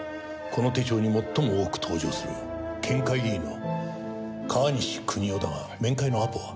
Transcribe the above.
この手帳に最も多く登場する県会議員の川西邦男だが面会のアポは？